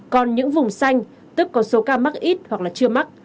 còn những vùng xanh tức có số ca mắc ít hoặc là chưa mắc